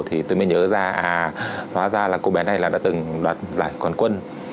thì tôi mới nhớ ra à hóa ra là cô bé này là đã từng đoạt giải quân quân